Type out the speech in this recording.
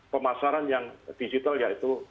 pemasaran yang digital yaitu